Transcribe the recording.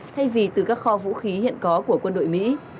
thay vì từ các kho vũ khí hiện có của quân đội mỹ